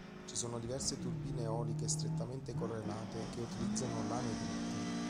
Ci sono diverse turbine eoliche strettamente correlate che utilizzano lame dritte.